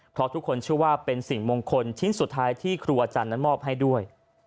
เพราะทุกคนเชื่อว่าเป็นสิ่งมงคลชิ้นสุดท้ายที่ครูอาจารย์นั้นมอบให้ด้วย